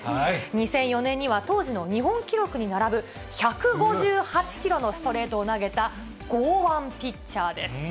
２００４年には、当時の日本記録に並ぶ、１５８キロのストレートを投げた剛腕ピッチャーです。